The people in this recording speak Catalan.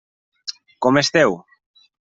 Com esteu?